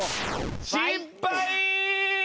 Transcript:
失敗！